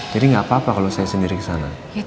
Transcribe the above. jadi gak apa apa kalau saya sendiri kesana